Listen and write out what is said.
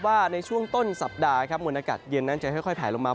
ว่าในช่วงต้นสัปดาห์ครับมวลอากาศเย็นนั้นจะค่อยแผลลงมา